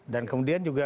dan kemudian juga